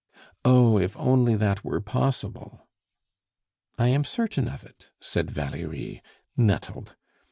"Oh, if only that were possible!" "I am certain of it," said Valerie, nettled.